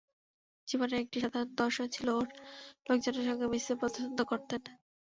জীবনের একটি সাধারণ দর্শন ছিল ওঁর, লোকজনের সঙ্গে মিশতে পছন্দ করতেন।